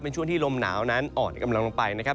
เป็นช่วงที่ลมหนาวนั้นอ่อนกำลังลงไปนะครับ